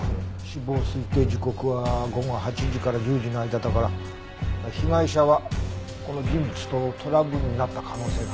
死亡推定時刻は午後８時から１０時の間だから被害者はこの人物とトラブルになった可能性があるね。